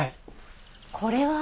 これは？